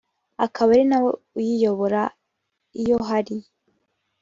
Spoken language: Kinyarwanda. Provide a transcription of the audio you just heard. akaba ari na we uyiyobora iyo hari